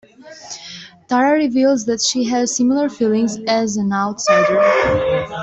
Tara reveals that she has similar feelings as an outsider.